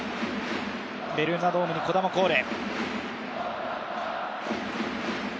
ベルーナドームに児玉コール。